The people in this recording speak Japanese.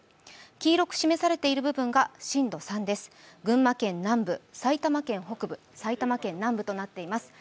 黄色く示されている部分が震度３です、群馬県南部、埼玉県北部、埼玉県南部となっています。